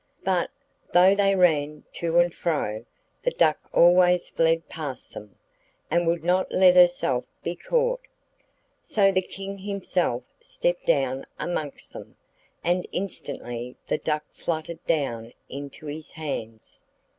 But, though they ran to and fro, the duck always fled past them, and would not let herself be caught. So the King himself stepped down amongst them, and instantly the duck fluttered down into his hands.